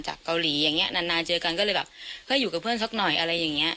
เกาหลีอย่างเงี้นานเจอกันก็เลยแบบเฮ้ยอยู่กับเพื่อนสักหน่อยอะไรอย่างเงี้